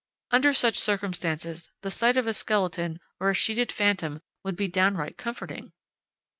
Under such circumstances, the sight of a skeleton or a sheeted phantom would be downright comforting.